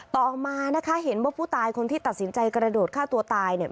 ต่อมานะคะเห็นว่าผู้ตายคนที่ตัดสินใจกระโดดฆ่าตัวตายเนี่ย